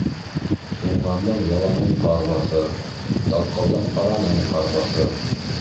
Уңғандың яланын ҡар баҫыр, ялҡауҙың аранын ҡар баҫыр.